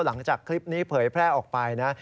หลังจากคลิปนี้เผยแพร่ออกไปนะ